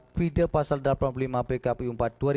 pida pasal delapan puluh lima b kpu empat dua ribu sembilan belas